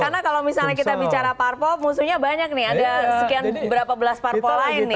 karena kalau misalnya kita bicara parpo musuhnya banyak nih ada sekian berapa belas parpo lain nih